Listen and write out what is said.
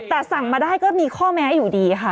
แต่สั่งมาได้ก็มีข้อแม้อยู่ดีค่ะ